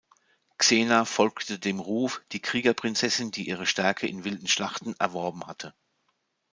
Xena folgte dem Ruf, die Kriegerprinzessin, die ihre Stärke in wilden Schlachten erworben hatte.